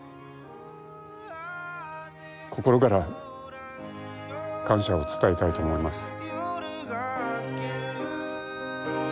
心から感謝を伝えたいと思います。